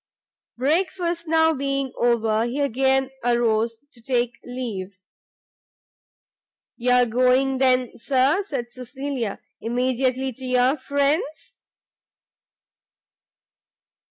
Breakfast now being over, he again arose to take leave. "You are going, then, Sir," said Cecilia, "immediately to your friends?"